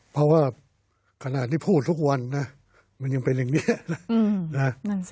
เพราะว่าขณะที่พูดทุกวันนะมันยังเป็นอย่างนี้นะ